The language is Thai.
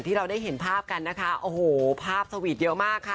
ที่เราได้เห็นภาพกันนะคะโอ้โหภาพสวีทเยอะมากค่ะ